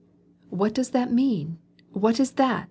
"What does that mean? What is that?"